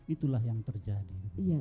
itulah yang terjadi